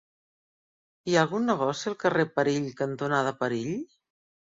Hi ha algun negoci al carrer Perill cantonada Perill?